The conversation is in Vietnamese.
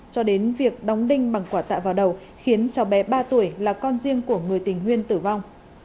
cho đến việc đóng đinh bằng quả tạ vào đầu khiến cháu bé ba tuổi là con riêng của người tình nguyên tử vong